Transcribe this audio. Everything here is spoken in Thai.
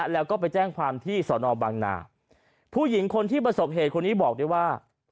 แล้วก็ไปแจ้งความที่สอนอบางนาผู้หญิงคนที่ประสบเหตุคนนี้บอกได้ว่า